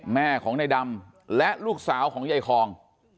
แม่ของในดำและลูกสาวของยายคอง